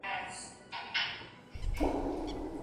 ذهني چمتووالی د سياسي مبارزې له پاره اړين دی.